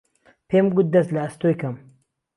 پێم گوت دهست له ئهستۆی کهم